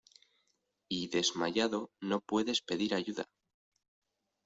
y desmayado no puedes pedir ayuda.